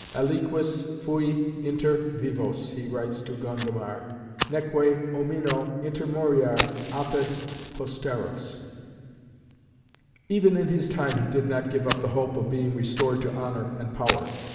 "Aliquis fui inter vivos," he writes to Gondomar, "neque omnino intermoriar apud posteros." Even in his time he did not give up the hope of being restored to honour and power.